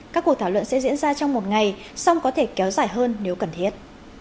các cuộc thảo luận sẽ diễn ra trong một ngày song có thể kéo dài hơn nếu cần thiết